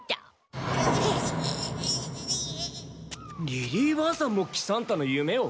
リリーばあさんも喜三太の夢を？